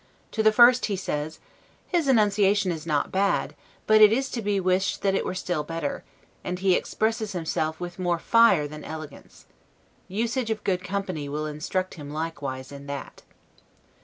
To the first he says: "His enunciation is not bad, but it is to be wished that it were still better; and he expresses himself with more fire than elegance. Usage of good company will instruct him likewise in that."